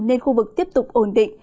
nên khu vực tiếp tục ổn định